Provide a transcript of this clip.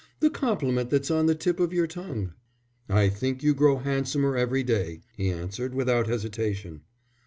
"The compliment that's on the tip of your tongue." "I think you grow handsomer every day," he answered, without hesitation.